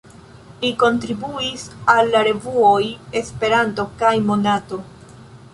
Li kontribuis al la revuoj "Esperanto" kaj "Monato".